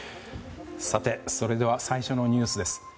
それでは最初のニュースです。